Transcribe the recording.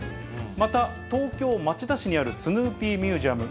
また東京・町田市にあるスヌーピーミュージアム。